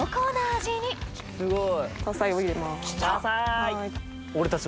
わすごい！